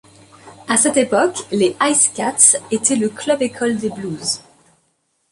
À cette époque, les IceCats étaient le club-école des Blues.